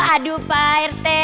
aduh pak rt